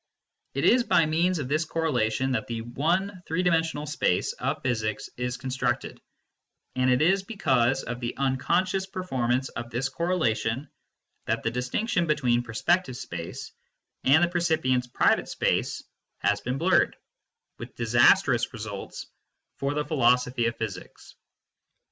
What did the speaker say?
It is by means of this correlation that the one three dimensional space of physics is constructed ; and it is because of the un conscious performance of this correlation that the dis tinction between perspective space and the percipient s private space has been blurred, with disastrous results for the philosophy of physics.